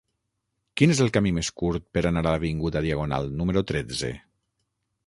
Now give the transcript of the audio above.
Quin és el camí més curt per anar a l'avinguda Diagonal número tretze?